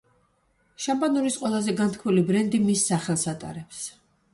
შამპანურის ყველაზე განთქმული ბრენდი მის სახელს ატარებს.